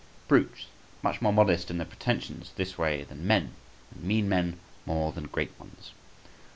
Brutes, much more modest in their pretensions this way than men, and mean men more than great ones.